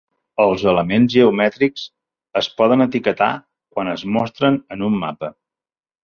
Els elements geomètrics es poden etiquetar quan es mostren en un mapa.